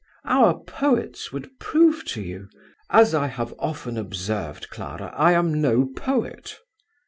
"Our poets would prove to you ..." "As I have often observed, Clara, I am no poet."